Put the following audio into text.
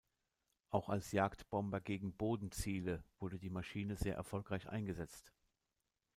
Auch als Jagdbomber gegen Bodenziele wurde die Maschine sehr erfolgreich eingesetzt.